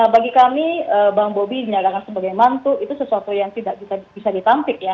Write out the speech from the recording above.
bagi kami bang bobi dinyatakan sebagai mantu itu sesuatu yang tidak bisa ditampik ya